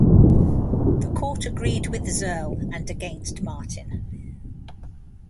The court agreed with Ziherl and against Martin.